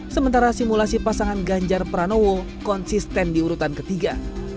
sementara simulasi pasangan ganjar pranowo konsisten diurutan ketiga